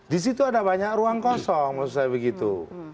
di situ ada banyak ruang kosong maksud saya begitu